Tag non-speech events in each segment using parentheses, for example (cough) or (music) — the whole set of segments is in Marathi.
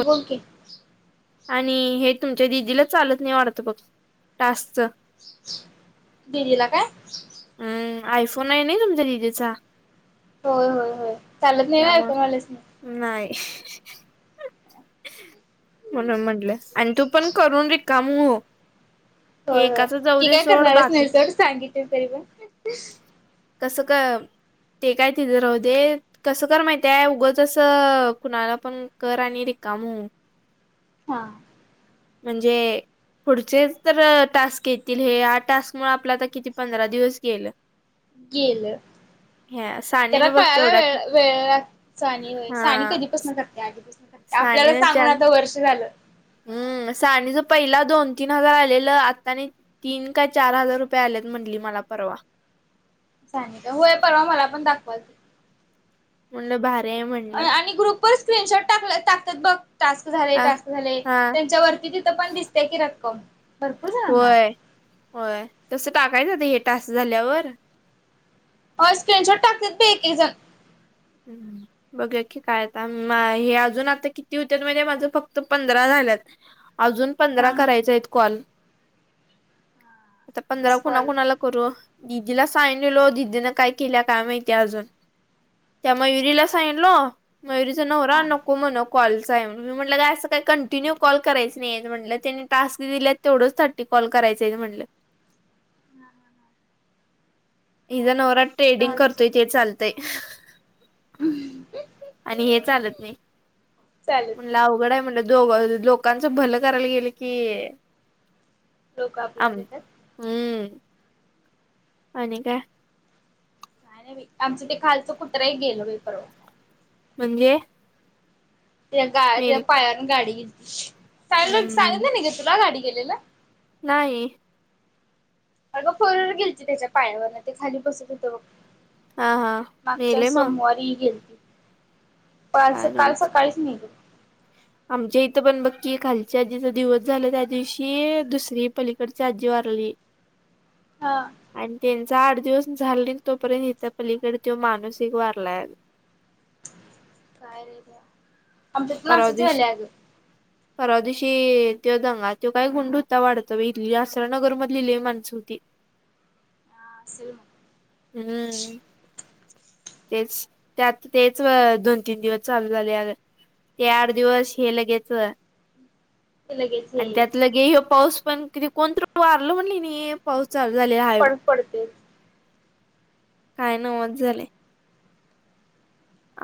बोल की आणि हे तुमच्या दिदीला चालत नाही वाटतं बघ टास्कच दीदीला काय? हम्म आयफोन हाय ना ई तुमच्या दिदीचा होय होय होय, चालत नाही होय त्यामुळे आयफोनवाल्यासणी नाही (unintelligible) म्हणून म्हंलं आणि तू पण करून रिकाम हो. हे होय होय एकाच जाऊ ती दे काय सोड करणारच बाकी नाही सोड, सांगितलं तरी पण कसं कम? ते काय तिज राहू दे, कसं कर माहिती हाय उगंसं कुणाला पण कर आणि रिकाम हा म्हणजे पुढचे तर टास्क येतील हे ह टास्क मु आपल्या तर किती पंधरा दिवस गेले. गेलं त्याला सानीनं बघ कळायला तेवढ्यात वेळ वेळ आणि हा सा आणि कधीपासून करते आधीपासून. करते आपल्याला सानीनं सांगून आता वर्ष झालं. आणि ज पहिला दोन तीन हजार आलेलं आता आणि तीन काय चार हजार रुपये आलेत म्हटली मला परवा. चा का होय परवा मला पण दाखवालती. म्हणलं बाहेर आणि ग्रुपवर स्क्रीनशॉट टाक टाकतात बघ टास्क झाले हा टास्क झाले हा त्यांच्यावरती पण दिसतेय की रक्कम भरपूर जणांना होय होय तसं टाकायचंात हे तास झाल्यावर. ह स्क्रीनशॉट टाकतात बी एक एक जण हम्मम बघ की काय हे अजून आता किती होत म्हणजे माझं फक्त पंधरा झाल्यात. अजून हा पंधरा हा करायचे आहेत कॉल आता पंधरा तीस कुणा कॉल कुणाला करू दिदीला सांगनलो दीदीनं काय केल्या काय माहिती अजून. त्या हा हा मयुरीला हा सांगितल मयुरीचा नवरा हा हा नको म्हणो कॉलचा आहे मी म्हटलं असं काही कंटिन्यू कॉल करायच नाही म्हटलं त्यानी टास्क दिल्यात तेवढंच थट्टि कॉल करायचय म्हटले. हा ह ह तिजा नवरात ट्रेडिंग हळदीच करतोय ते चालतय. आणि हे चालत नाही. चालेल अवघड आहे म्हण दो लोकांच भल करायला गेलं की लोक आम आपल्यावर येत्यात. हम्म आणि काय काय नाही बाई आमचं ते खालचं कुत्र एक गेलं बाई परवा. म्हणजे गा त्या मेल पायावरून गाडी घेतलीांग हम्म सांगलं ना नाही गे तुला गाडी गेलेला. नाही. अग फोर गेलची त्याच्या पाण्यावर ते खाली बसत होतं बघ. हा हा मागच्या मेले मग सोमवारी गेलती. काल काय काल नव्हच सकाळीच आमच्या इथं पण बघ की खालच्या आजीचा दिवस झाला त्या दिवशी दुसरी पलीकडची आजी वारली. हा आणि त्यांचा आठ दिवस झाला तोपर्यंत हित पलीकडे त्यो मानसिक वारला आला काय यार. परावा दिवशी. परा दिशी ते दंगा तो काय गुंड होता वाढतो आसरानगर मधली माणसं होती. हा असं. हम्म (unintelligible) तेच त्यात तेच दोन तीन दिवस चालू झाल्यात. ते आठ दिवस हे लगेच ते लगेच हे आणि त्यात लगे हे पाऊस पण कि कोण तर वारल म्हणली (inaudible) पाऊस चालू झालेला आहे बघ पडते. काय नव्हच झालंय.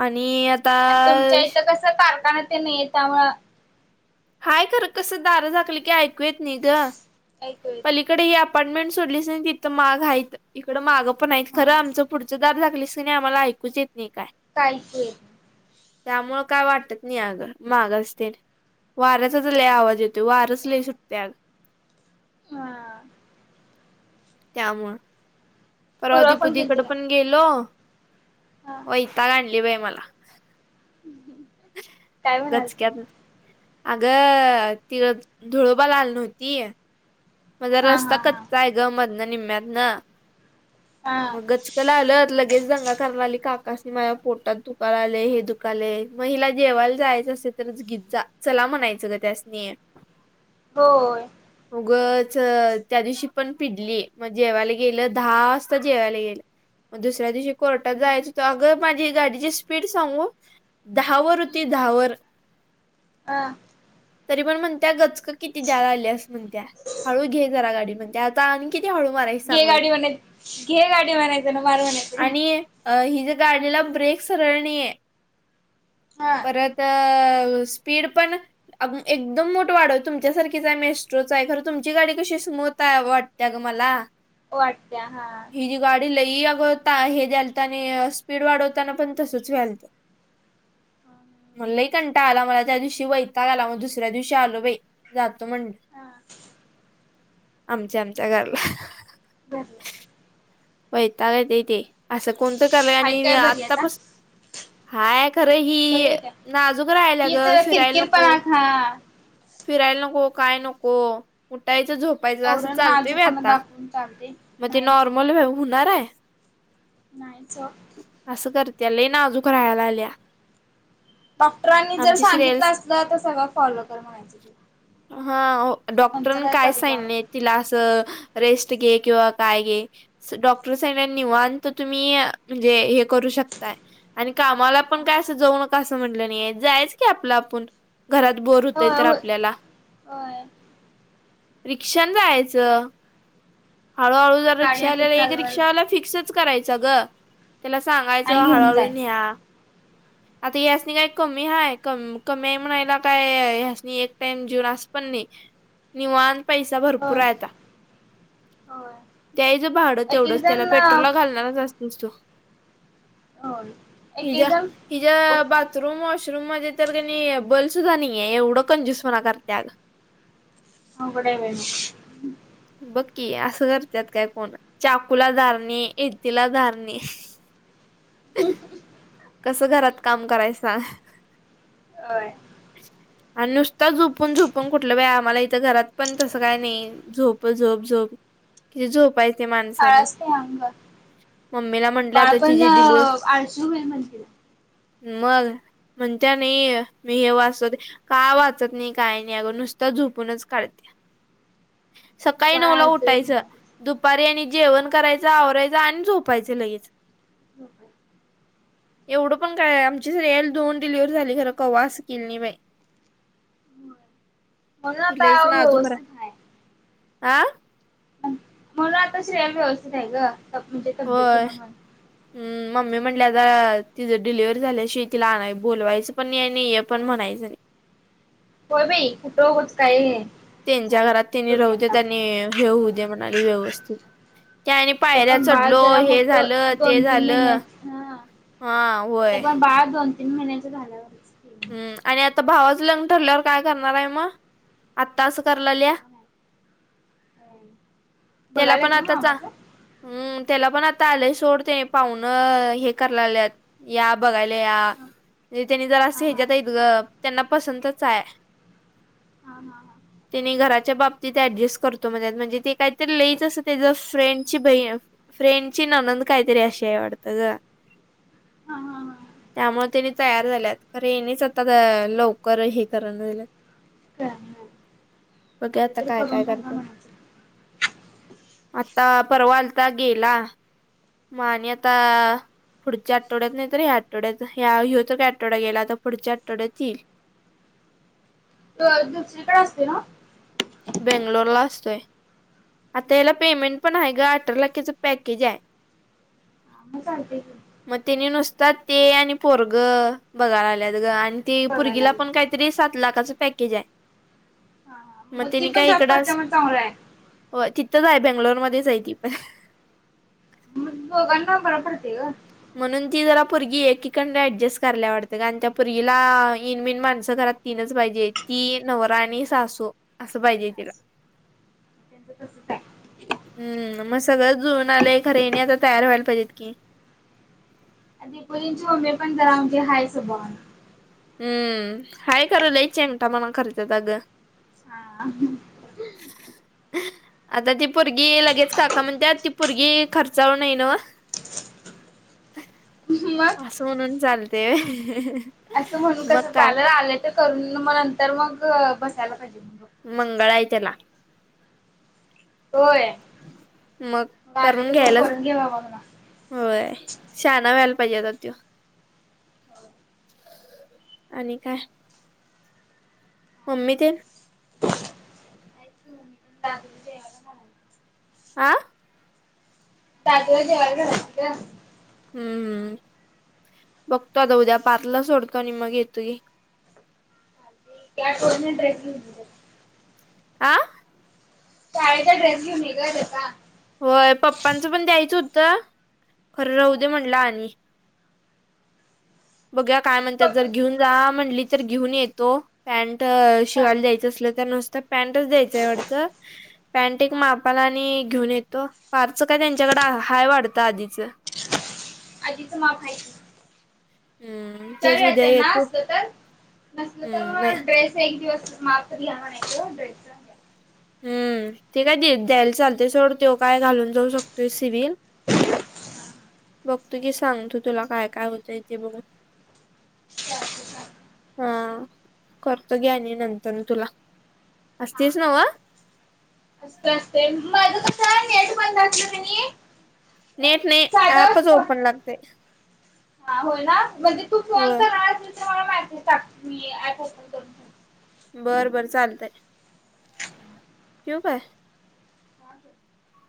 आणि यात आणि तुमच्या इथ कस कारखाना ते नाही आहेत. त्यामुळ हाय खर कस दारं झाकली की ऐकू येत नाही ग. ऐकुय इकडे ही अपार्टमेंट सोडलीच तिथ माग आहेत. इकड माग पण आहेत हा खरं आमच पुढचं दार झाकलीस की आम्हाला ऐकूच येत नाही काय. काय ऐकू येत नाही. त्यामुळ काय वाटत नाही अग. माग असते. वाऱ्याचाच लय आवाज येतोय. वारच लय सुटतय. हा त्यामुळं परवा पूर्वा फोन केलती दीपूदीकडे काय? पण गेलो. हा वैताग आणली बाई मला. काय म्हणालती? गचक्यात अगं ती धुळोबा ला आली नव्हती. माझा हा हा रस्ता हा कच्चा आहे ग मधन निम्म्यातन. हा मग गचक आलत लगेच दंगा कर कराय लागली काकासनी. माझ्या पोटात दुखायलय. हे दुखालय. हिला जेवायला जायच असेल तरच घि जा. चला म्हणायचं ग त्यासनी. होय उगच त्या दिवशी पण पिडली मग जेवायला गेलं दहास जेवायला येईल मग दुसऱ्या दिवशी कोर्टात जायचं होत तेव्हा गप माझी ही गाडीची स्पीड सांगू. दहा वर होती. दहा वर. अ तरी पण म्हणत्या गचक किती दळायल्यास म्हणत्या. हळू घे जरा गाडी म्हणत्या. आता आणि किती हळू मारायच घे सांग बाई. गाडी म्हणाय घे गाडी म्हणायचं ना मार म्हणायचं का? आणि अ हिच्या गाडीला ब्रेक सरळ नाहीये. हा परत स्पीड पण अ एकदम मुठं वाढवय तुमच्याारखीचय मेस्ट्रोच आहे खर. तुमची गाडी कशी स्मूथ आहे वाटते ग मला. वाटत्या हा. हि जी गाडी लई अगं ताण हे द्यायलत. आणि स्पीड वाढवताना पण तसचं व्हालत. हा मला लय कंटाळा आला मला त्या दिवशी. वैताग आला. मग दुसऱ्या दिवशी आलो बाई जातो म्हणल. हा आमच्या आमच्या घरला. घरला वैताग येतंय ते. असं कोणत काम आहे. हाय आणि काय बरी आता? आतापासून हाय खरं ही बरी आहे काय? नाजूक राहायला हीच ग. फिरायला नको. किरकिरपणा हा फिरायला नको. काय नको. उठायच झोप पायच. अस एवढं चालतय व्हय नाजूकपणा आता. दाखवून चालते मग ती नाहीच की. नॉर्मल होणार आहे. नाहीच ओ अस करत्या. लय नाजूक राहाय लागल्या डॉक्टरांनी जर आमची सांगितलं श्रेयस असल तर सगळ फॉलो कर म्हणायच ते. ह हो त्यांचं डॉक्टरन काय करत जाऊ सानिय नको. तिला असं रेस्ट घे. किंवा काय घे. डॉक्टर सागितल‌. निवांत तुम्ही म्हणजे हे करू शकताय. आणि कामाला पण काय असं जावू नका असं म्हटलं नाही‌ जायचं की आपलं आपुण घरात बोर होतेय होय तर होय आपल्याला. होय रिक्षान जायच हळूहळू जरा होय गाडी रिक्षा आता वाल्याला एक चालवायला रिक्षाला फिक्सच करायचं ग. त्याला आणि सांगायचं घेऊन हळूहळू जायचं न्या. (inaudible) आता ह्यासनी काय कमी हाय क कमी हाय म्हणायला काय ह्यासनी एक टाइम जीऊन असं पण नाही निवांत पैसा भरपूर होय आहे आता. होय! द्यायचं भाडं एक एक तेवढंच त्याला जण पेट्रोलला घालणार असतीस तु. होय एक एक हीज्या जण हीज्या बा बाथरूम वॉशरूम मध्ये किनाय बलसुद्धा नाहीये एवढं कंजूसपणा करत्यात. अवघड आहे बाई! बघ की असं जर करत्यात काय कोण चाकूला धार नाय इळतीला धार नाही. कसं घरात काम करायचा? होय! आणि नुसता झोपून झोपून कुठलं व्यायामाला इथं घरात पण तसं काय नाही. झोप झोप झोप कि झोपाय ते माणसान काळ असतंय अंग मम्मीला म्हटलं बाळ आता ति पण जी डिलीव्हरी आळशी होईल म्हणतील. मग म्हणतिया नाही मी हे वाचवते का वाचत नाही काय नाही अगं नुसत झोपूनच काढतिया. (inaudible) सकाळी बाळ नऊ ला आळसट होईल उठायचं म्हणाले. दुपारी आणि जेवण हा करायचं आवरायच आणि झोपायचं लगेच. हो का? एवढं पण काय आमची श्रेयाला दोन डिलेव्हरी झाली खरं कावा असं केल नाही बाई. होय म्हणून ती लयच आता नाजूक रा, व्यवस्थित हाय. आ म्हणून आता श्रेया व्यवस्थित आहे ग म्हणजे होय तब्यतीन म्हण. हम्म मम्मी म्हटल्या आ तिझं डिलिवरी झाल्या शिवाय आण बोलवायचं पण नाही आणि ये पण म्हणायचं नाही. होय बाई कुठं उगाच काय हे. त्यांच्या घरात त्यांनी राहू दे त्यांनी हे होऊ दे म्हणाले व्यवस्थित. ते आणि पायऱ्या पण बाळ चढलो जरा हे झालं मोठं ते दोन तीन झालं. महिन्याच हा. हा होय! ते पण बाळ दोन तीन महिन्यांच झाल्यावर हम्म आणि आता भावाचं लग्न ठरल्यावर काय करणार आहे मग? आत्ता असं कराय लागलीया त्याला पण बघायलात ना आता चा मामाचं? हम्म त्याला पण आता आलय सोड ते पाहून हे करय लागल्यात या बघायला या हा म्हजे त्यांनी जरा अस हा हेज्यात आहेत ग त्यांना पसंतच हाय. हा हा हा! त्यानि घराच्या बाबतीत ऍडजस्ट करतो म्हणत्यात म्हणजे ते काहीतरी लईच असं त्याच फ्रेंडची बहीण फ्रेंडची ननंद काहीतरी अशी आहे या वाटतं ग! हा हा. हा त्यामुळे त्यांनि तयार झाल्यात. खर हेनीच आता लवकर हे करना झालेत. कळालं. बघूया आलं ते आता तर काय करून काय टाका करतात. म्हणायचं. आता परवा आलाता गेला. म आणि आता पुढच्या आठवड्यात नाही तर या आठवड्यात या, ह्यो तर काय आठवडा गेला. आता पुढच्या आठवड्यात येईल. दिवशी काय असते न्हव? बेंगलोर ला असतोय. आता याला पेमेंट पण आहे ग अठरा लाखाचं पॅकेज आहे. हा मग चालतंय मग तेने नुसता ते आणि पोरग बघायला आलेत ग आणि ते बघायला पोरगीला लागलं. पण काय तरी सात लाखाचं पॅकेज आहे. हा हा मग ती तिने पण काय जॉब इकडं करते मग चांगलं आहे तिथंच आहे बेंगलोरध्येच आहे ती पण (unintelligible) (unintelligible) म्हणून ती जरा पोरगी एकीकड ऍडजस्ट करायला वाटतंय ग इनबन माणसं घरात तीनच पाहिजे ती नवरा आणि सासू असं पाहिजे तिला (inaudible) आहे हम्म मग सगळं जुळूनआलं खर ह्यांनीआता तयार व्हायला पाहिजे की दापोलीच्या मम्मी जरा हाय स्वभावाने हम्म हाय खर लय चेंगटापना करतात अगं (inaudible) आता ती पोरगी लगेच काका म्हणते ती पोरगी खर्चाळू नाही ना (inaudible) असं म्हणून चालते होय (unintelligible) असं म्हणून कसं चाल आलंय तर करून मग नंतर मग बसायला पाहिजे. मंगळ आहे त्याला होय मग आले करून तर म घ्यायलाच करून घे (inaudible) होय शहाणा व्हायला पाहिजे आता त्यो आणि काय? मम्मी ते (inaudible) (inaudible) आं दादाला जेवायला घालायचं की ग हम्म हम्म बघतो आता उद्या पार्थला सोडतो आणि मग येतो या को ड्रेस (inaudible) आं शाळेचा ड्रेस घेऊन ग त्याचा होय, पप्पांचं पण द्यायचं होतं. खरं राहू हा दे म्हटलं आणि बघूया, काय म्हणतात? जर घेऊन जा म्हणली तर घेऊन येतो पॅन्ट शिवायला चालते द्यायचं असल तर नुसत पॅन्टच द्यायचं आहे वाटत पॅन्ट एक हा मापाला आणि घेऊन येतो पार्थच काय त्यांच्याकडे हाय वाढतं आधीच आधीच माप हाय हम्म. तेच उद्या त्यांना येतो असाल तर नसलं तर हम्म म नाही ड्रेस एक दिवस माप द्या नाही ड्रेस हम्म ते काय द्यायला चालते सोड काय घालून जाऊ शकतोय सिव्हिल बघतो की सांगतो तुला काय काय होतंय ते बघून हा करतो की आणि नंतर तुला हा असतीस नव असत असते माझ कस नेट बंद असलं त नेट नाही ऍपच ओपन लागते. हा होय ना म्हणजे तू फोन होय कर आज तर मला मॅसेज टाक म्हणजे मी अँप ओपन करते. बरं बरं चालतय. ठेव काय? (inaudible)